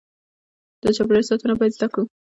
د چاپیریال ساتنه باید زده کړو.